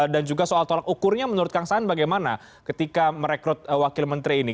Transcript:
dan juga soal tolak ukurnya menurut kang saan bagaimana ketika merekrut wakil menteri ini